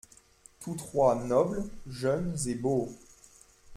Tous trois nobles, jeunes et beaux.